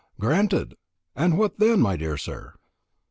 "Granted. And what then, my dear sir?"